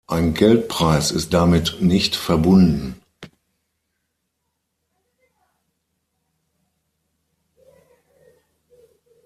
Ein Geldpreis ist damit nicht verbunden.